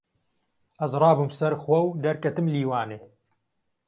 Ez rabûm ser xwe û derketim lîwanê.